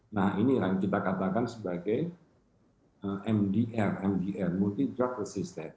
nah ini yang kita katakan sebagai mdr multidrug resistant